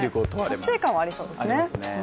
達成感はありそうですね。